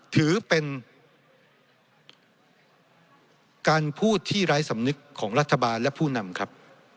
ถือเป็นการพูดที่ไร้สำนึกของรัฐบาลและผู้นำครับ